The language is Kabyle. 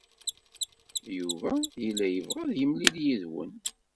Yuba yella yebɣa ad yemlil yid-wen.